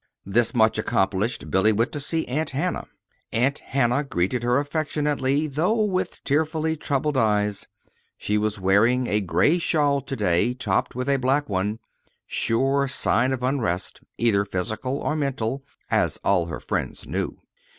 This much accomplished, Billy went to see Aunt Hannah. Aunt Hannah greeted her affectionately, though with tearfully troubled eyes. She was wearing a gray shawl to day topped with a black one sure sign of unrest, either physical or mental, as all her friends knew.